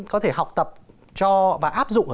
có thể học tập cho và áp dụng